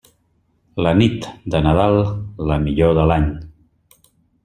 La nit de Nadal, la millor de l'any.